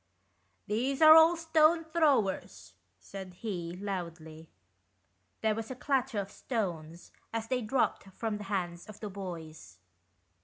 "These are all stone throwers," said he, loudly. There was a clatter of stones as they dropped from the hands of the boys.